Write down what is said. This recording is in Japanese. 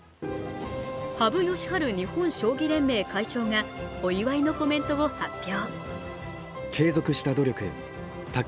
羽生善治日本将棋連盟会長がお祝いのコメントを発表。